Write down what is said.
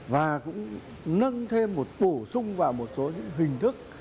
và cũng nâng thêm một bổ sung vào một số những hình thức